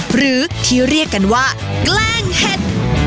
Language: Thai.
หรือที่เรียกกันว่าแกล้งเห็ด